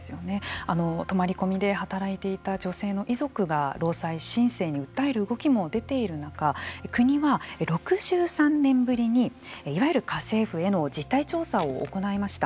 泊まり込みで働いていた女性の遺族が労災申請に訴える動きも出ている中国は６３年ぶりにいわゆる家政婦への実態調査を行いました。